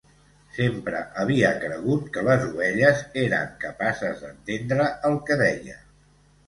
Sempre havia cregut que les ovelles eren capaces d'entendre el que deia.